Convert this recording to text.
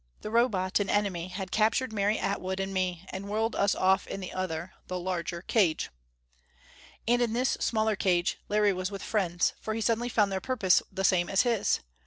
The Robot, an enemy, had captured Mary Atwood and me, and whirled us off in the other the larger cage. And in this smaller cage Larry was with friends for he suddenly found their purpose the same as his!